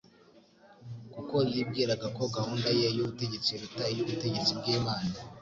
kuko yibwiraga ko gahunda ye y'ubutegetsi iruta iy'ubutegetsi bw'Imana.